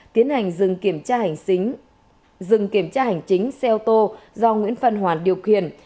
tiến hành dừng kiểm tra hành chính xe ô tô do nguyễn văn hoàn điều khiển